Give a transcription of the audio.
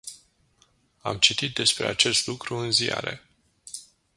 Am citit despre acest lucru în ziare.